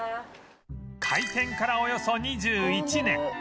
開店からおよそ２１年